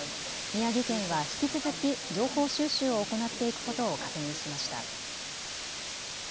宮城県は引き続き情報収集を行っていくことを確認しました。